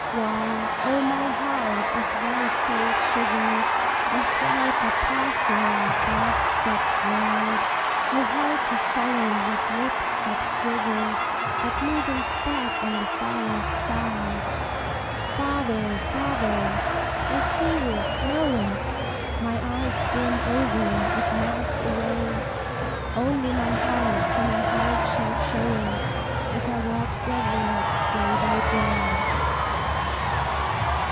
While, O my heart! as white sails shiver, And crowds are passing, and banks stretch wide, How hard to follow, with lips that quiver, That moving speck on the far off side! Farther, farther I see it know it My eyes brim over, it melts away: Only my heart to my heart shall show it, As I walk desolate day by day.